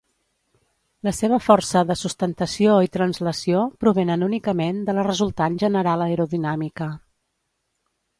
La seva força de sustentació i translació provenen únicament de la resultant general aerodinàmica.